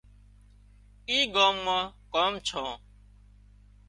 اِي ڳام مان ڪام ڇان